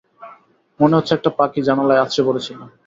মনে হচ্ছে একটা পাখি জানালায় আছড়ে পড়েছিল।